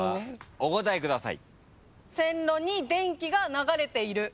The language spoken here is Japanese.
お答えください。